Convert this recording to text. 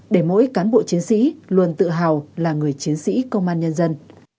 để mỗi cán bộ chiến sĩ luôn tự hào là người chiến sĩ công an nhân dân